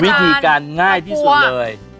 วิธีการง่ายที่สุดเลย